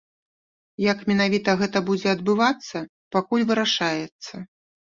Як менавіта гэта будзе адбывацца, пакуль вырашаецца.